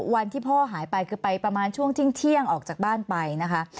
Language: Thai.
วันที่พ่อหายไปคือไปประมาณช่วงเที่ยงออกจากบ้านไปนะคะ